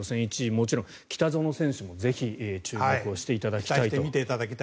もちろん北園選手も注目していただきたいと。